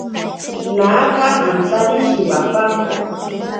Naaka antari shimapako.